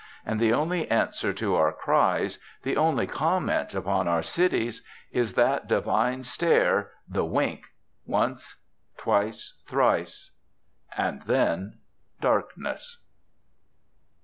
And the only answer to our cries, the only comment upon our cities, is that divine stare, the wink, once, twice, thrice. And then darkness.